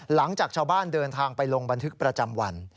หลังจากชาวบ้านเดินทางไปลงบันทึกประจำวัน